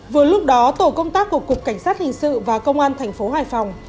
vừa lúc đó tổ công tác của cục cảnh sát hình sự và công an thành phố hải phòng